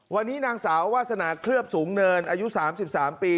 วันนี้นางสาววาสนาเคลือบสูงเนินอายุ๓๓ปี